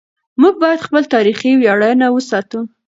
موږ باید خپل تاریخي ویاړونه وساتو.